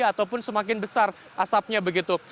ataupun semakin besar asapnya begitu